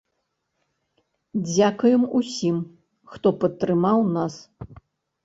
Дзякуем усім, хто падтрымаў нас.